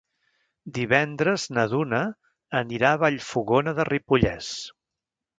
Divendres na Duna anirà a Vallfogona de Ripollès.